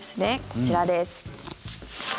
こちらです。